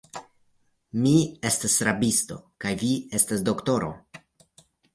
Mi estas rabisto, kaj vi estas doktoro.